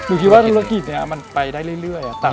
คิดว่าธุรกิจนี้มันไปได้เรื่อย